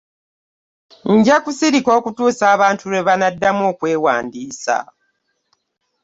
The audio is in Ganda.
Njakusirika okutuusa abantu lwebanaddamu okwewandiisa.